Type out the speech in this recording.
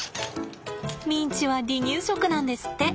ミンチは離乳食なんですって。